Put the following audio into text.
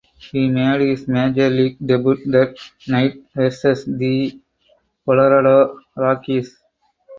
He made his major league debut that night versus the Colorado Rockies.